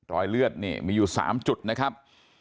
รอยเลือดนี่มีอยู่๓จุดนะครับ